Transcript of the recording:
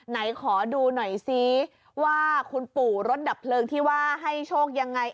ไหนขอดูหน่อยซิว่าคุณปู่รถดับเพลิงที่ว่าให้โชคยังไง